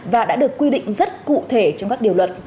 và đã được quy định rất cụ thể trong các điều luật